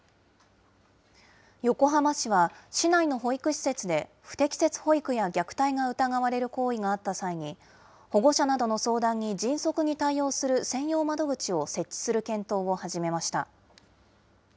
横浜市は、市内の保育施設で、不適切保育や虐待が疑われる行為があった際に、保護者などの相談に、迅速に対応する専用窓口を設置する検討を始めました。